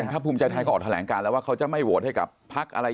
ถ้าภูมิใจไทยก็ออกแถลงการแล้วว่าเขาจะไม่โหวตให้กับพักอะไร